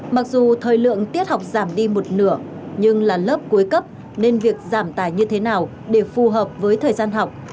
mặc dù thời lượng tiết học giảm đi một nửa nhưng là lớp cuối cấp nên việc giảm tài như thế nào để phù hợp với thời gian học